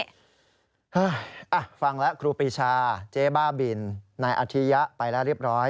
ฮะฟังแล้วครูปีชาเจ๊บ้าบินนายอธิยะไปแล้วเรียบร้อย